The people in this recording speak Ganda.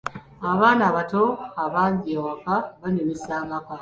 Abaana abato abangi ewaka banyumisa amaka.